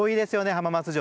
浜松城